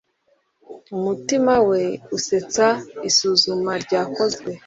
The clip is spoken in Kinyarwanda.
Umutima we usetsa Isuzuma ryakozwe